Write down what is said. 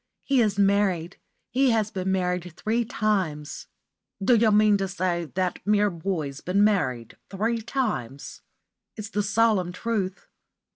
He is married. He has been married three times." "D' you mean to say that mere boy's been married three times?" "It's the solemn truth."